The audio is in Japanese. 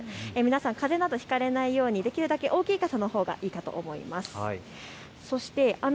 皆さん、かぜなどひかれないようにできるだけ大きい傘のほうがいいかと思います。